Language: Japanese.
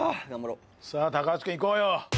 さぁ高橋君いこうよ。